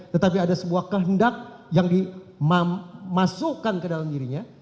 tetapi ada sebuah kehendak yang dimasukkan ke dalam dirinya